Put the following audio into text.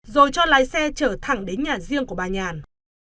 rồi cho lái xe trở thẳng đến nhà riêng của bà nhàn